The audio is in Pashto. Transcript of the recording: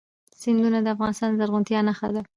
سیندونه د افغانستان د زرغونتیا نښه ده.